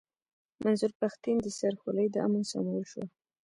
د منظور پښتين د سر خولۍ د امن سيمبول شوه.